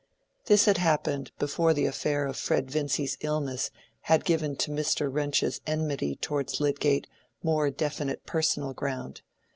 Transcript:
This had happened before the affair of Fred Vincy's illness had given to Mr. Wrench's enmity towards Lydgate more definite personal ground.